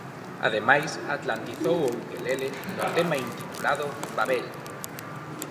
Ademais atlantizou o ukelele no tema intitulado Babel.